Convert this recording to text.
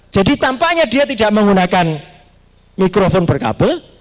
jadi tampaknya dia tidak menggunakan mikrofon berkabel